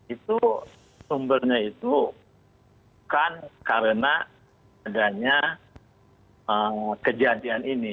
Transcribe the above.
itu sumbernya itu bukan karena adanya kejadian ini